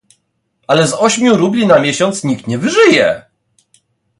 "Ale z ośmiu rubli na miesiąc nikt nie wyżyje."